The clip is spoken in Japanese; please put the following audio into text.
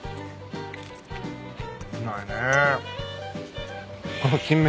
うまいねえ。